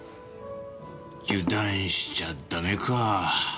油断しちゃダメか。